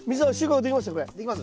できます？